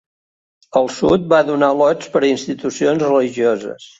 El sud va donar lots per a institucions religioses.